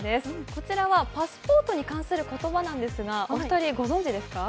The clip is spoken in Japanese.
こちらはパスポートに関する言葉なんですがお二人ご存じですか？